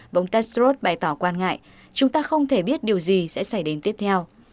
và ông tedros bày tỏ quan ngại chúng ta không thể biết điều gì sẽ xảy đến tiếp theo